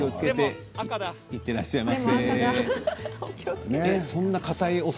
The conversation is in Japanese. いってらっしゃいませ。